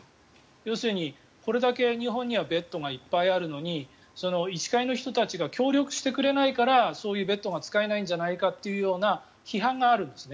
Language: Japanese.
要するに、これだけ日本にはベッドがいっぱいあるのに医師会の人たちが協力してくれないからそういうベッドが使えないんじゃないかっていう批判があるんですね。